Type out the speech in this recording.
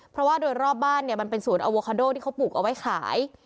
เพราะว่าโดยรอบบ้านเนี่ยมันเป็นสวนอโวคาโดที่เขาปลูกเอาไว้ขาย